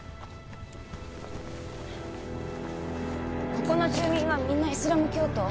ここの住民はみんなイスラム教徒？